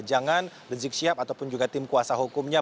jangan rizik syihab ataupun juga tim kuasa hukumnya